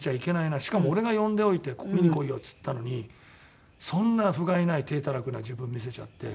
しかも俺が呼んでおいて「見に来いよ」っつったのにそんなふがいない体たらくな自分見せちゃって。